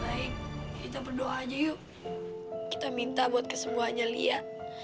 baik kita berdoa aja yuk kita minta buat kesembuhannya lihat